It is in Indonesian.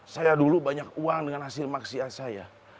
saya dulu banyak uang dengan hasil maksiat saya